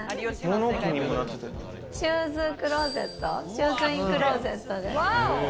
シューズクローゼットです。